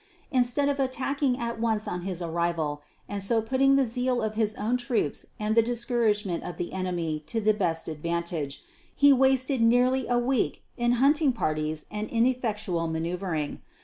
Instead of attacking at once on his arrival and so putting the zeal of his own troops and the discouragement of the enemy to the best advantage, he wasted nearly a week in hunting parties and ineffectual manœuvring.